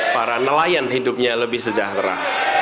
para nelayan hidupnya lebih sejahtera